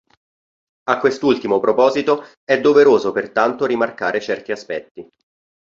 A quest'ultimo proposito è doveroso pertanto rimarcare certi aspetti.